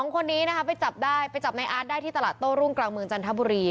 ๒คนนี้นะคะไปจับได้ไปจับในอาร์ตได้ที่ตลาดโต้รุ่งกลางเมืองจันทบุรี